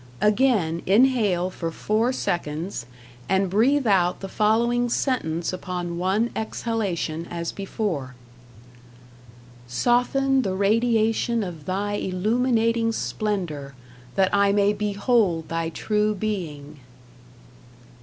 Again inhale for four seconds, and breathe out the following sentence upon one exhalation as before: Soften the radiation of Thy Illuminating Splendor, that I may behold Thy True Being.